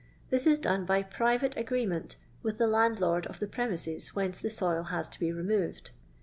This is done by private agreement with the landlord of the premises whence the soil has to be removed.